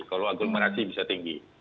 kalau aglomerasi bisa tinggi